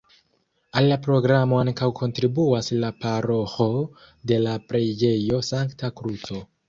Al la programo ankaŭ kontribuas la paroĥo de la preĝejo Sankta Kruco.